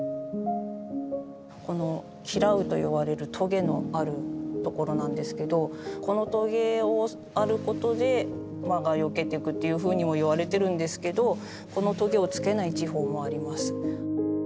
このキラウといわれるとげのあるところなんですけどこのとげをあることで魔がよけてくっていうふうにもいわれてるんですけどこのとげをつけない地方もあります。